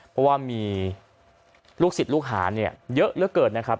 เพราะว่ามีลูกศิษย์ลูกหาเนี่ยเยอะเหลือเกินนะครับ